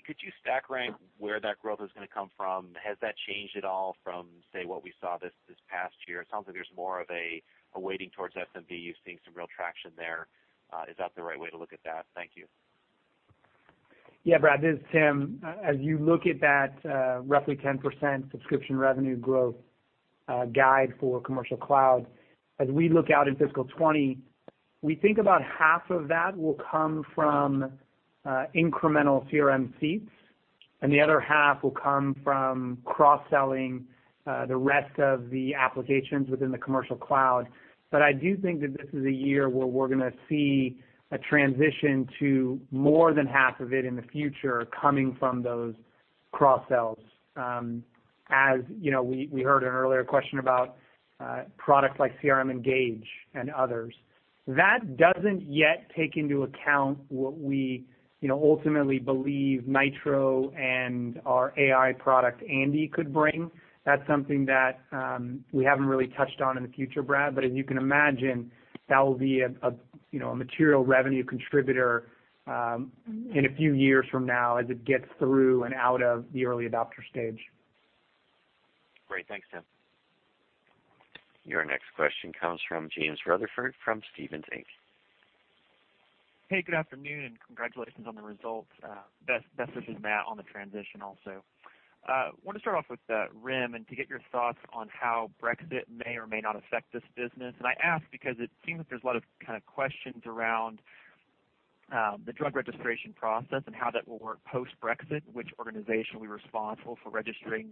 Could you stack rank where that growth is gonna come from? Has that changed at all from, say, what we saw this past year? It sounds like there's more of a waiting towards SMB. You're seeing some real traction there. Is that the right way to look at that? Thank you. Yeah, Brad, this is Tim. As you look at that, roughly 10% subscription revenue growth guide for Commercial Cloud, as we look out in fiscal 2020, we think about half of that will come from incremental CRM seats, and the other half will come from cross-selling the rest of the applications within the Commercial Cloud. I do think that this is a year where we're going to see a transition to more than half of it in the future coming from those cross-sells. As, you know, we heard an earlier question about products like CRM Engage and others. That doesn't yet take into account what we, you know, ultimately believe Nitro and our AI product, Andi, could bring. That's something that we haven't really touched on in the future, Brad. As you can imagine, that will be a, you know, a material revenue contributor, in a few years from now as it gets through and out of the early adopter stage. Great. Thanks, Tim. Your next question comes from James Rutherford from Stephens Inc. Hey, good afternoon, and congratulations on the results. Best wishes, Matt, on the transition also. I want to start off with RIM and to get your thoughts on how Brexit may or may not affect this business. I ask because it seems there's a lot of kind of questions around the drug registration process and how that will work post-Brexit, which organization will be responsible for registering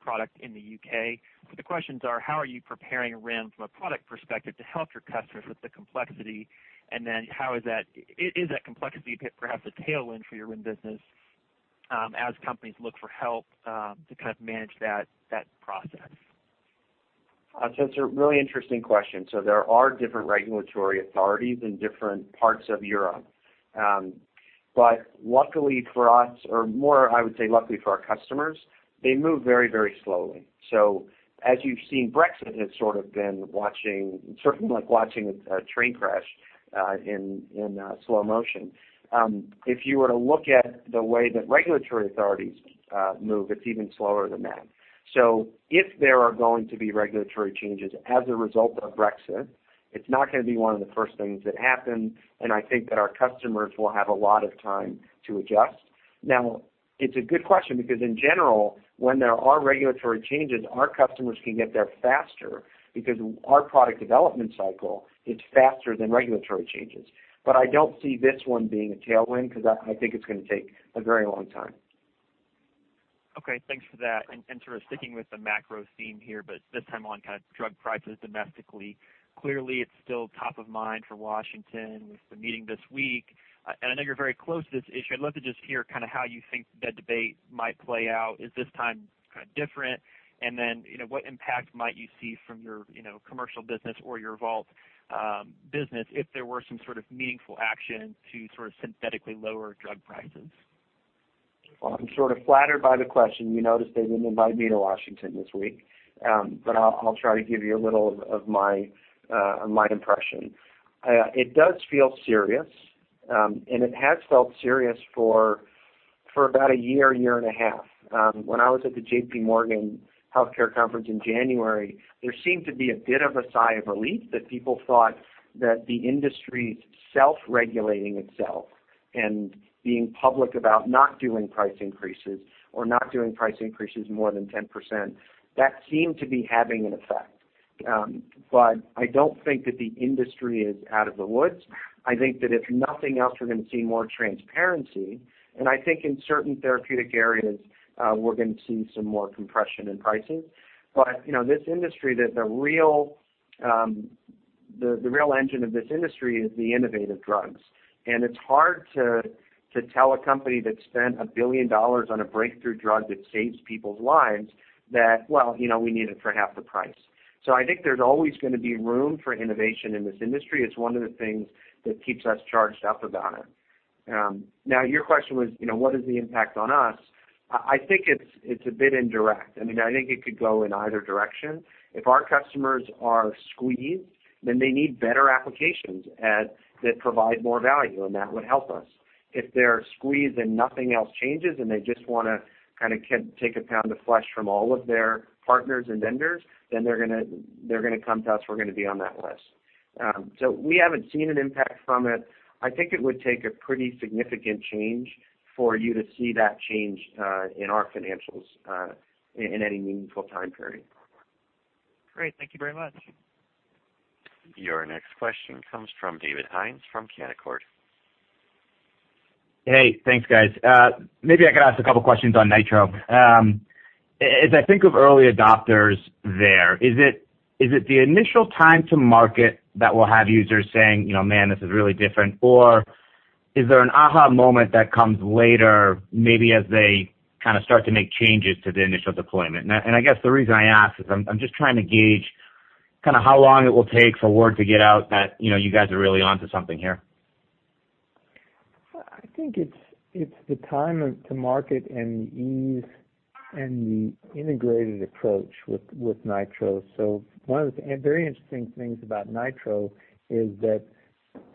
product in the U.K. The questions are, how are you preparing RIM from a product perspective to help your customers with the complexity? How is that complexity perhaps a tailwind for your RIM business as companies look for help to kind of manage that process? It's a really interesting question. There are different regulatory authorities in different parts of Europe. Luckily for us, or more, I would say luckily for our customers, they move very, very slowly. As you've seen, Brexit has sort of been watching certainly like watching a train crash in slow motion. If you were to look at the way that regulatory authorities move, it's even slower than that. If there are going to be regulatory changes as a result of Brexit, it's not gonna be one of the first things that happen, and I think that our customers will have a lot of time to adjust. It's a good question because in general, when there are regulatory changes, our customers can get there faster because our product development cycle is faster than regulatory changes. I don't see this one being a tailwind because I think it's gonna take a very long time. Okay. Thanks for that. Sort of sticking with the macro theme here, but this time on kind of drug prices domestically. Clearly, it's still top of mind for Washington with the meeting this week. I know you're very close to this issue. I'd love to just hear kind of how you think the debate might play out. Is this time kind of different? Then, you know, what impact might you see from your, you know, commercial business or your Vault business if there were some sort of meaningful action to sort of synthetically lower drug prices? Well, I'm sort of flattered by the question. You notice they didn't invite me to Washington this week. But I'll try to give you a little of my impression. It does feel serious, and it has felt serious for about a year and a half. When I was at the JPMorgan Healthcare Conference in January, there seemed to be a bit of a sigh of relief that people thought that the industry's self-regulating itself and being public about not doing price increases or not doing price increases more than 10%. That seemed to be having an effect. But I don't think that the industry is out of the woods. I think that if nothing else, we're gonna see more transparency, and I think in certain therapeutic areas, we're gonna see some more compression in pricing. You know, this industry, the real engine of this industry is the innovative drugs. It's hard to tell a company that spent $1 billion on a breakthrough drug that saves people's lives that, well, you know, we need it for half the price. I think there's always gonna be room for innovation in this industry. It's one of the things that keeps us charged up about it. Now, your question was, you know, what is the impact on us? I think it's a bit indirect. I mean, I think it could go in either direction. If our customers are squeezed, then they need better applications that provide more value, and that would help us. If they're squeezed and nothing else changes, and they just wanna kinda take a pound of flesh from all of their partners and vendors, then they're gonna come to us, we're gonna be on that list. We haven't seen an impact from it. I think it would take a pretty significant change for you to see that change in our financials in any meaningful time period. Great. Thank you very much. Your next question comes from David Hynes from Canaccord. Hey, thanks guys. Maybe I could ask a couple questions on Nitro. As I think of early adopters there, is it the initial time to market that will have users saying, "You know, man, this is really different?" Is there an aha moment that comes later, maybe as they kinda start to make changes to the initial deployment? I guess the reason I ask is I'm just trying to gauge kinda how long it will take for word to get out that, you know, you guys are really onto something here. I think it's the time of to market and the ease and the integrated approach with Nitro. One of the very interesting things about Nitro is that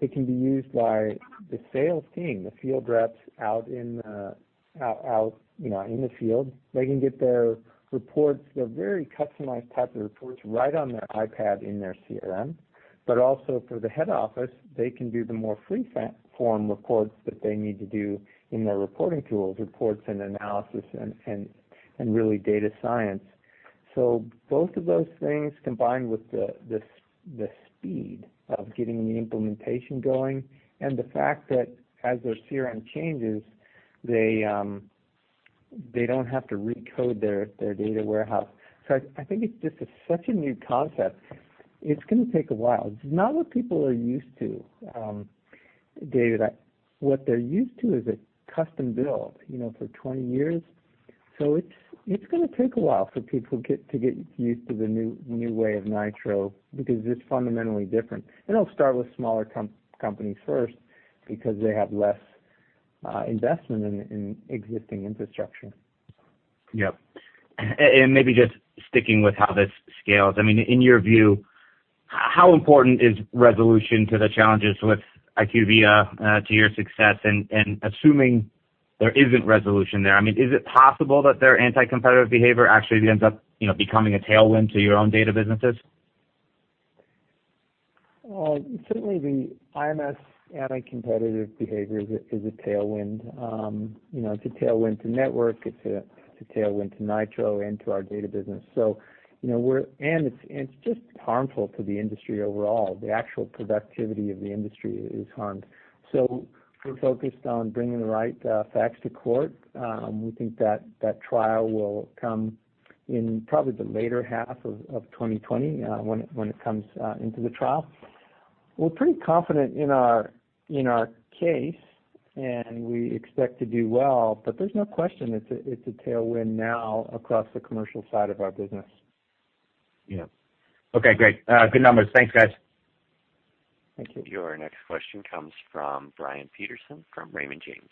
it can be used by the sales team, the field reps out in the, you know, in the field. They can get their reports, the very customized type of reports right on their iPad in their CRM. Also for the head office, they can do the more free-form reports that they need to do in their reporting tools, reports and analysis and really data science. Both of those things, combined with the speed of getting the implementation going and the fact that as their CRM changes, they don't have to re-code their data warehouse. I think it's just such a new concept. It's going to take a while. It's not what people are used to, David. What they're used to is a custom build, you know, for 20 years. It's going to take a while for people to get used to the new way of Nitro because it's fundamentally different. It will start with smaller companies first because they have less investment in existing infrastructure. Yep. maybe just sticking with how this scales. I mean, in your view, how important is resolution to the challenges with IQVIA, to your success? assuming there isn't resolution there, I mean, is it possible that their anti-competitive behavior actually ends up, you know, becoming a tailwind to your own data businesses? Certainly the IMS anti-competitive behavior is a, is a tailwind. You know, it's a tailwind to Network, it's a, it's a tailwind to Nitro and to our data business. You know, it's just harmful to the industry overall. The actual productivity of the industry is harmed. We're focused on bringing the right facts to court. We think that that trial will come in probably the later half of 2020, when it, when it comes into the trial. We're pretty confident in our, in our case, and we expect to do well. There's no question it's a, it's a tailwind now across the commercial side of our business. Yeah. Okay, great. Good numbers. Thanks, guys. Thank you. Your next question comes from Brian Peterson from Raymond James.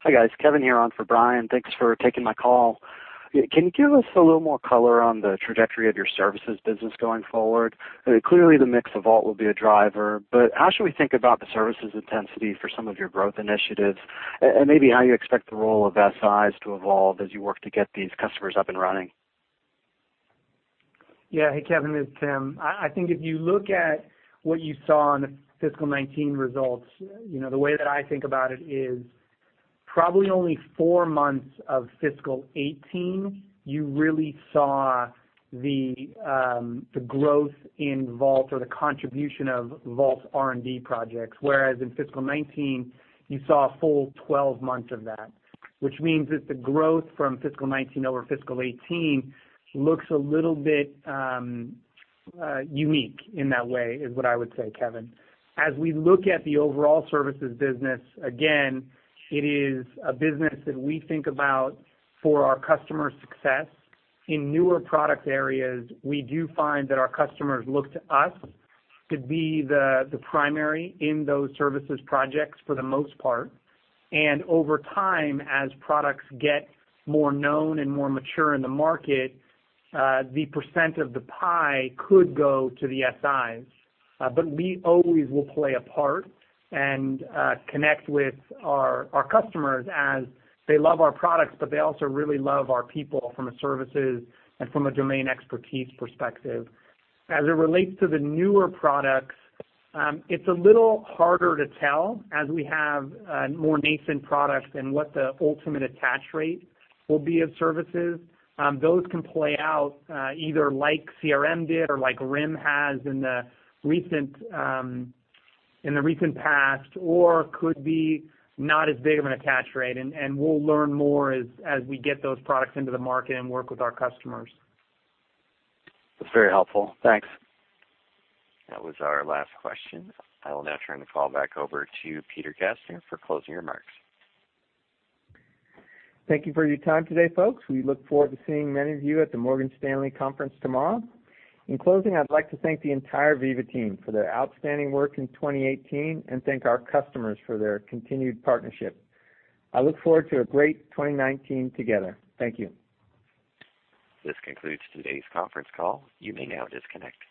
Hi, guys. Kevin here on for Brian. Thanks for taking my call. Can you give us a little more color on the trajectory of your services business going forward? I mean, clearly the mix of Vault will be a driver, but how should we think about the services intensity for some of your growth initiatives, and maybe how you expect the role of SIs to evolve as you work to get these customers up and running? Yeah. Hey, Kevin, it's Tim. I think if you look at what you saw in the fiscal 2019 results, you know, the way that I think about it is probably only four months of fiscal 2018 you really saw the growth in Vault or the contribution of Vault's R&D projects, whereas in fiscal 2019 you saw a full 12 months of that, which means that the growth from fiscal 2019 over fiscal 2018 looks a little bit unique in that way, is what I would say, Kevin. As we look at the overall services business, again, it is a business that we think about for our customer success. In newer product areas, we do find that our customers look to us to be the primary in those services projects for the most part. Over time, as products get more known and more mature in the market, the percent of the pie could go to the SIs. We always will play a part and connect with our customers as they love our products, but they also really love our people from a services and from a domain expertise perspective. As it relates to the newer products, it's a little harder to tell as we have more nascent products and what the ultimate attach rate will be of services. Those can play out either like CRM did or like RIM has in the recent past, or could be not as big of an attach rate. We'll learn more as we get those products into the market and work with our customers. That's very helpful. Thanks. That was our last question. I will now turn the call back over to Peter Gassner for closing remarks. Thank you for your time today, folks. We look forward to seeing many of you at the Morgan Stanley conference tomorrow. In closing, I'd like to thank the entire Veeva team for their outstanding work in 2018 and thank our customers for their continued partnership. I look forward to a great 2019 together. Thank you. This concludes today's conference call. You may now disconnect.